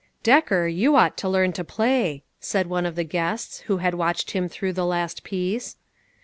" Decker, you ought to learn to play," said one of the guests who had watched him through the last piece.